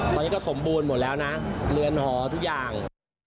ตอนนี้ก็สมบูรณ์หมดแล้วนะเรือนหอทุกอย่าง